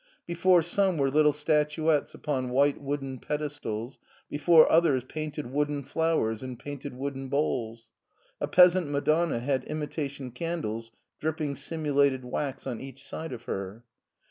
Before ^me were little statuettes upon white wooden pedestals, before others painted wooden flowers in painted wooden bowls. A peasant Madonna had imitation candles dripping simulated wax on each side of her.